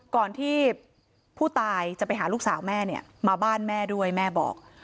ก่อนที่ผู้ตายจะไปหาลูกสาวแม่เนี่ยมาบ้านแม่ด้วยแม่บอก